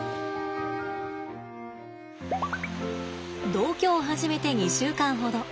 同居を始めて２週間ほど。